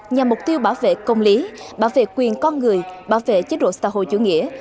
nhằm mục tiêu bảo vệ công lý bảo vệ quyền con người bảo vệ chế độ xã hội chủ nghĩa